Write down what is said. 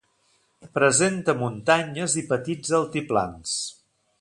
Presenta muntanyes i petits altiplans.